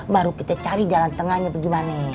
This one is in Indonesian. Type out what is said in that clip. baru kita cari jalan tengahnya bagaimana ini